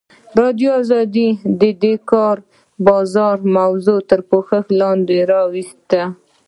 ازادي راډیو د د کار بازار موضوع تر پوښښ لاندې راوستې.